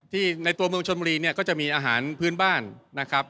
ในตัวเมืองชนบุรีเนี่ยก็จะมีอาหารพื้นบ้านนะครับ